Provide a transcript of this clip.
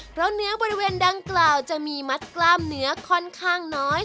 เพราะเนื้อบริเวณดังกล่าวจะมีมัดกล้ามเนื้อค่อนข้างน้อย